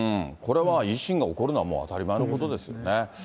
これはもう、維新が怒るのはもう当たり前のことですよね。